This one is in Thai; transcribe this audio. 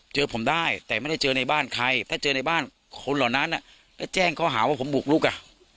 เจอผมได้แต่ไม่ได้เจอในบ้านใครถ้าเจอในบ้านคนเหล่านั้นแล้วแจ้งเขาหาว่าผมบุกลุกอ่ะ